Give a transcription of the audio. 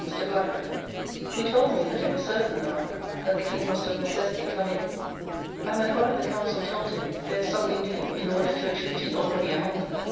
] and dined with my Lord and Mr. Blackburne, who told me that it was certain now that the King must of necessity come in, and that one of the Council told him there is something doing in order to a treaty already among them.